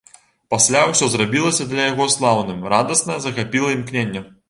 Пасля ўсё зрабілася для яго слаўным, радасна захапіла імкненне.